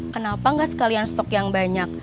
kenapa enggak sekalian stok yang banyak